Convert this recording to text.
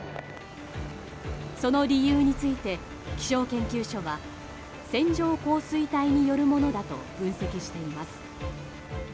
その理由について気象研究所は線状降水帯によるものだと分析しています。